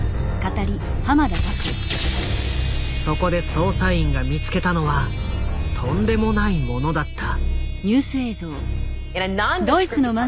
そこで捜査員が見つけたのはとんでもないものだった。